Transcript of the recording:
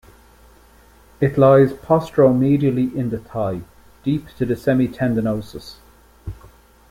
It lies posteromedially in the thigh, deep to the semitendinosus.